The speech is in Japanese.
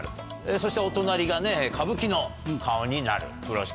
そしてお隣がね歌舞伎の顔になる風呂敷。